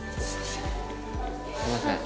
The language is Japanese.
すいません。